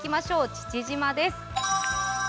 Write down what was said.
父島です。